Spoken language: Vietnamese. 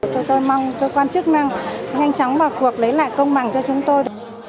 cho tôi mong cơ quan chức năng nhanh chóng vào cuộc lấy lại công bằng cho chúng tôi